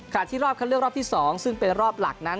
ที่รอบคัดเลือกรอบที่๒ซึ่งเป็นรอบหลักนั้น